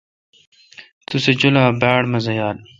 تو سہ جولا باڑ مزہ یال۔